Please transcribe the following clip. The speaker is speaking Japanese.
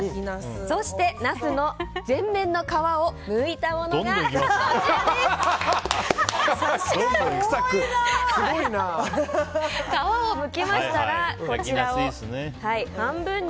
そして、ナスの全面の皮をむいたものがこちらです。